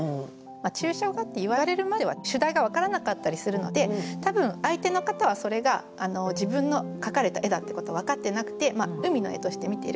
抽象画って言われるまでは主題が分からなかったりするので多分相手の方はそれが自分の描かれた絵だってこと分かってなくて海の絵として見てる。